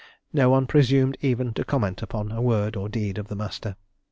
No one presumed even to comment upon a word or deed of the Master.